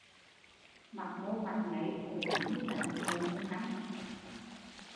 Mặt mô mặt nấy thấy hắn như rắn sợ mùng năm